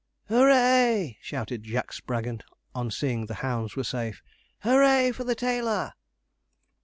'Hoo ray!' shouted Jack Spraggon, on seeing the hounds were safe. 'Hoo ray for the tailor!'